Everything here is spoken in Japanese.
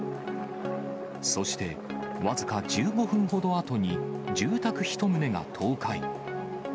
そして、僅か１５分ほどあとに、住宅１棟が倒壊。